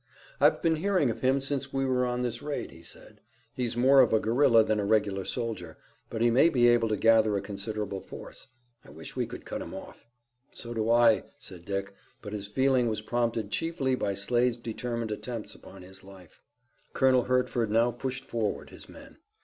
"I've been hearing of him since we were on this raid," he said. "He's more of a guerilla than a regular soldier, but he may be able to gather a considerable force. I wish we could cut him off." "So do I," said Dick, but his feeling was prompted chiefly by Slade's determined attempts upon his life. Colonel Hertford now pushed forward his men.